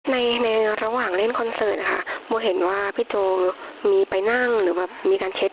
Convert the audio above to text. ในในระหว่างเล่นคอนเสิร์ตนะคะโมเห็นว่าพี่โจมีไปนั่งหรือแบบมีการเช็ด